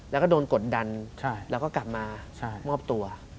แล้วก็โดนกดดันแล้วก็กลับมามอบตัว